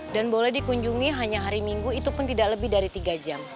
dan boleh dikunjungi hanya hari minggu itu pun tidak lebih dari tiga jam